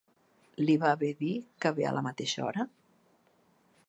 Li va bé dir que ve a la mateixa hora?